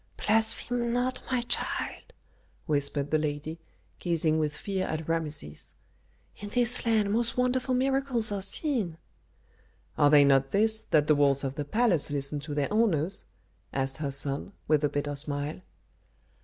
"Blaspheme not, my child," whispered the lady, gazing with fear at Rameses. "In this land most wonderful miracles are seen." "Are not they this, that the walls of the palace listen to their owners?" asked her son, with a bitter smile.